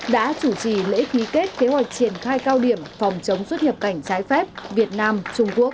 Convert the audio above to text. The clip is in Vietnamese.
đã chủ trì lễ ký kết kế hoạch triển khai cao điểm phòng chống xuất nhập cảnh trái phép việt nam trung quốc